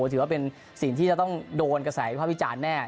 ถือว่าเป็นสิ่งที่จะต้องโดนกระแสวิภาพวิจารณ์แน่